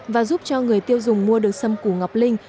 và giúp cho người tiêu dùng mua được sâm củ ngọc linh